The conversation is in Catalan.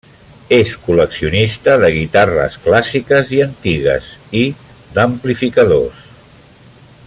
És col·leccionista de guitarres clàssiques i antigues i d'amplificadors.